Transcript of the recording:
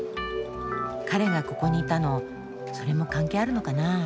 彼がここにいたのそれも関係あるのかな。